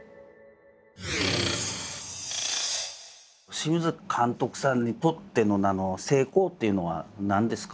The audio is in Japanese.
清水監督さんにとっての成功っていうのは何ですか？